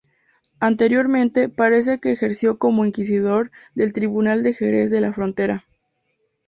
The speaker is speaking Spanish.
Anteriormente parece que ejerció como inquisidor del tribunal de Jerez de la Frontera.